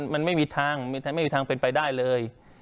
มันไม่มีทางไม่มีทางเป็นไปได้เลย